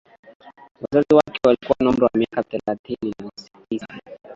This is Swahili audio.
wazazi wake walikuwa na umri wa miaka thelasini na tisa